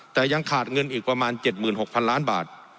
แต่ยังขาดเงินอีกประมาณ๗๖๐๐๐ล้านบาท